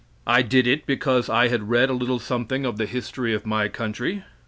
I did it because I had read a little something of the history of my country.